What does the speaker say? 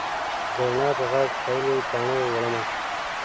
د رڼا په ږغ پیلې باڼه وړمه